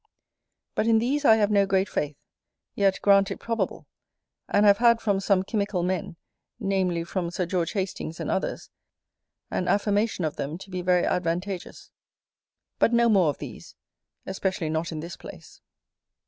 But in these I have no great faith; yet grant it probable; and have had from some chymical men, namely, from Sir George Hastings and others, an affirmation of them to be very advantageous. But no more of these; especially not in this place.